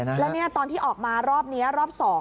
แล้วตอนที่ออกมารอบนี้รอบ๒